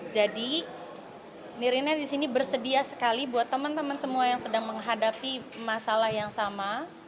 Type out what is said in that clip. jadi nirina disini bersedia sekali buat teman teman semua yang sedang menghadapi masalah yang sama